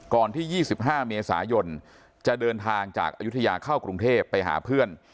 ที่๒๕เมษายนจะเดินทางจากอายุทยาเข้ากรุงเทพไปหาเพื่อน